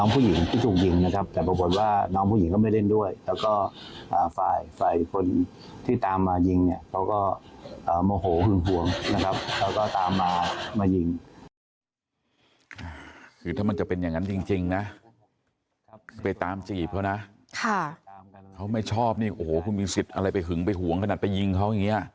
ไปหึงไปห่วงขนาดไปยิงเขาอย่างเงี้ย